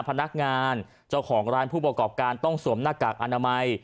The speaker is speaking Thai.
พนักงานเจ้าของร้านผู้ประกอบการต้องสวมหน้ากากอนามัย